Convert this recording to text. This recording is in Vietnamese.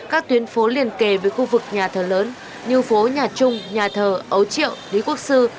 các tuyến phố liền kề với khu vực nhà thờ lớn như phố nhà trung nhà thờ ấu triệu lý quốc sư